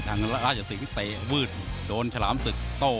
ทั้งร้ายและสิงห์เตยบืชโดนขราห์สึกโต